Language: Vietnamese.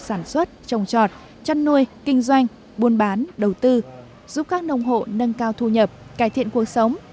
sản xuất trồng trọt chăn nuôi kinh doanh buôn bán đầu tư giúp các nông hộ nâng cao thu nhập cải thiện cuộc sống